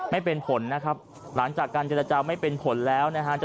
ไม่เป็นผลนะครับหลังจากการเจรจาไม่เป็นผลแล้วนะฮะ